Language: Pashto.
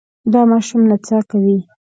دا ماشوم نڅا کوي.